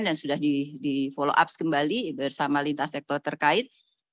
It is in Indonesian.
dan sudah di follow up kembali bersama lintas sektor terkait